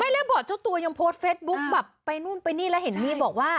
แล้วบอกเจ้าตัวยังโพสต์เฟสบุ๊คแบบไปนู่นไปนี่แล้วเห็นมีบอกว่า